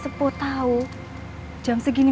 sepo tau jam segini